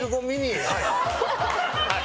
はい。